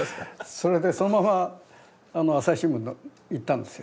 それでそのまま朝日新聞に行ったんですよ。